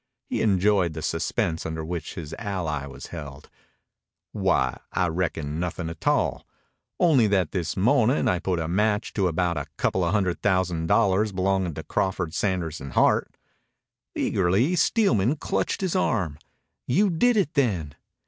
He enjoyed the suspense under which his ally was held. "Why, I reckon nothin' a tall. Only that this mo'nin' I put a match to about a coupla hundred thousand dollars belongin' to Crawford, Sanders, and Hart." Eagerly Steelman clutched his arm. "You did it, then?"